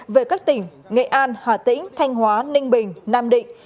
về các tỉnh nghệ an hà tĩnh thanh hóa ninh bình nam định